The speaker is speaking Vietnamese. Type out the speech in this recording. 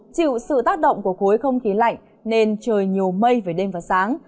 chịu sự tác động của khối không khí lạnh nên trời nhiều mây về đêm và sáng